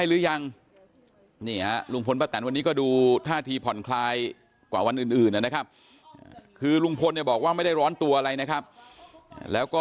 อื่นนะนะครับคือลุงพลบอกว่าไม่ได้ร้อนตัวอะไรนะครับแล้วก็